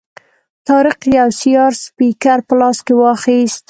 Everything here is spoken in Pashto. طارق یو سیار سپیکر په لاس کې واخیست.